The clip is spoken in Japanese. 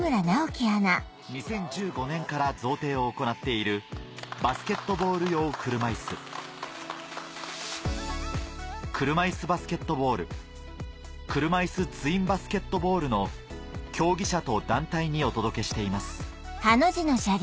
２０１５年から贈呈を行っているバスケットボール用車いす車いすバスケットボール車いすツインバスケットボールの競技者と団体にお届けしています